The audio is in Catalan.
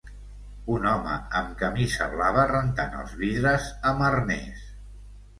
Un home amb camisa blava rentant els vidres amb arnés.